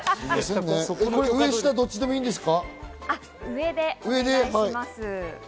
上と下、どっちでもいいんですか？